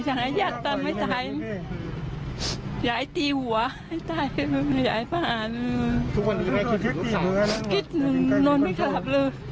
ถ้าเขามาขอขอบใจมากนะครับ